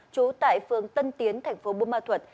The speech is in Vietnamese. trú tại phương tân tiến tp bùa ma thuật